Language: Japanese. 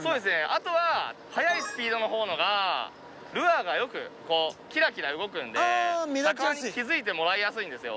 あとは速いスピードの方がルアーがよくキラキラ動くので魚に気付いてもらいやすいんですよ。